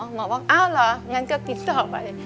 หมอบอกอ้าวเหรออย่างงั้นก็กินต่อไป